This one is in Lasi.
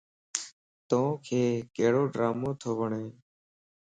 توک ڪھڙو ڊرامو تو وڻ؟